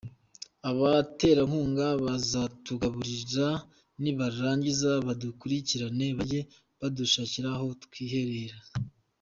Abaterankunga bazatugaburira nibarangiza badukurikirane bajye kudushakira aho twiherera?